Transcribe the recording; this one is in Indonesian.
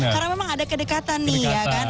karena memang ada kedekatan nih ya kan